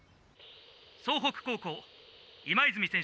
総北高校今泉選手